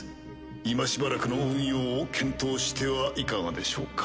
今しばらくの運用を検討してはいかがでしょうか？